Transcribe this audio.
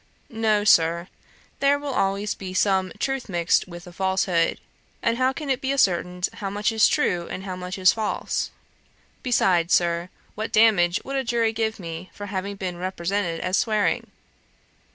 'No, Sir; there will always be some truth mixed with the falsehood, and how can it be ascertained how much is true and how much is false? Besides, Sir, what damages would a jury give me for having been represented as swearing?'